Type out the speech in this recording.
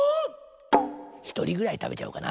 ひとりぐらいたべちゃおうかな。